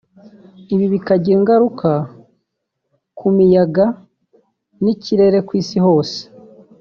ibi bikagira ingaruka ku miyaga n’ikirere ku Isi hose